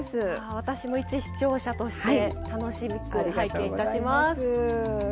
私もいち視聴者として楽しく拝見いたします。